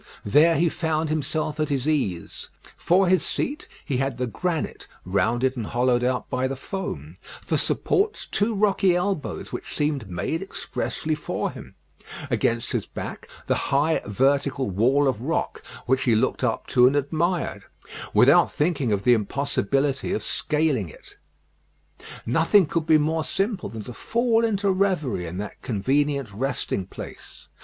There he found himself at his ease; for his seat he had the granite rounded and hollowed out by the foam; for supports, two rocky elbows which seemed made expressly for him; against his back, the high vertical wall of rock which he looked up to and admired, without thinking of the impossibility of scaling it. Nothing could be more simple than to fall into reverie in that convenient resting place.